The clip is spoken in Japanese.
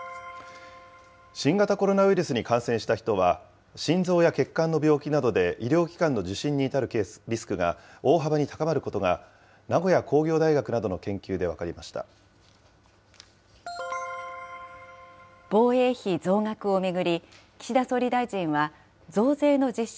新型コロナウイルスに感染した人は心臓や血管の病気などで医療機関の受診に至るリスクが大幅に高まることが、名古屋工業大学防衛費増額を巡り、岸田総理大臣は増税の実施